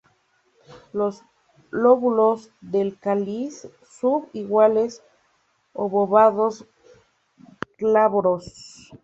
Los lóbulos del cáliz sub iguales, obovados, glabros.